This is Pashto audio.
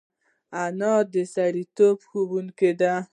انا د سړیتوب ښوونکې ده